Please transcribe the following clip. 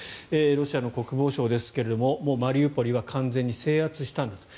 ロシアの国防省ですがマリウポリは完全に制圧したんだと。